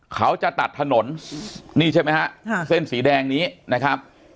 เขาจะตัดถนนเส้นสีแดงนี้นะครับ